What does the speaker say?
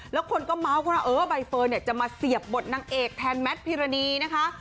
แล้วคนก็เมาส์กันว่าเออใบเฟิร์นเนี่ยจะมาเสียบบทนางเอกแทนแมทพิรณีนะคะ